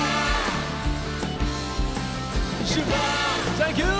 サンキュー！